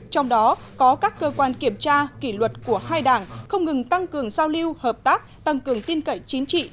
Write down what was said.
trong đó có các cơ quan kiểm tra kỷ luật của hai đảng không ngừng tăng cường giao lưu hợp tác tăng cường tin cậy chính trị